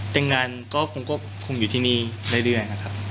แต่งงานก็คงอยู่ที่นี่ได้เรื่อย